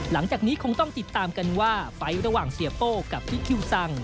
หลังจากนี้คงต้องติดตามกันว่าไฟล์ระหว่างเสียโป้กับพี่คิวซัง